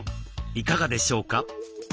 いかがでしょうか？